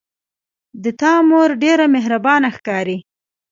د تا مور ډیره مهربانه ښکاري